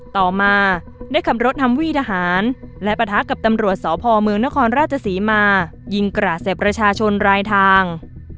ต่อมาได้ขับรถนำวี่ทหารและปะทะกับตำรวจสพเมืองนครราชศรีมายิงกราดใส่ประชาชนรายทาง